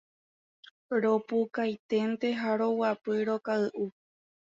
Ropukainténte ha roguapy rokay'u